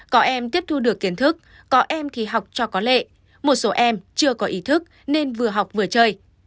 có em tiếp thu được kiến thức có em thì học cho có lệ một số em chưa có ý thức nên vừa học vừa chơi